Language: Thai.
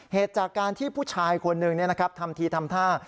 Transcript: เหตุจากการที่ผู้ชายคนหนึ่งนะครับทำทีทำท่า